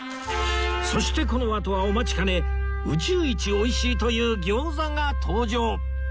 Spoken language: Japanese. そしてこのあとはお待ちかね宇宙一美味しいという餃子が登場！